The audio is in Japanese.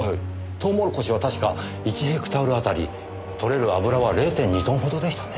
トウモロコシは確か１ヘクタールあたりとれる油は０．２トンほどでしたね。